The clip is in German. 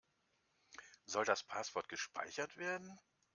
Soll das Passwort gespeichert werden?